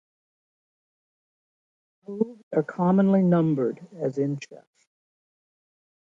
Moves are commonly numbered as in chess.